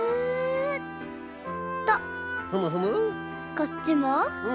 こっちも。